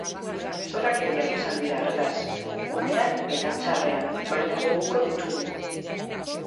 Txorakeriak esan dira hartaz, onean eta txarrean, baina, gogoko ditugu